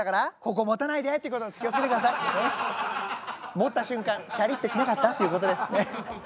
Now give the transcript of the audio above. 持った瞬間シャリッてしなかった？っていうことです。